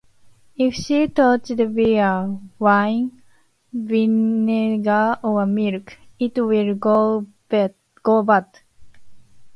If she touches beer, wine, vinegar, or milk, it will go bad.